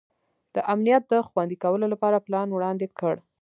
د امنیت د خوندي کولو لپاره پلان وړاندي کړ.